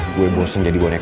gue bosen jadi boneka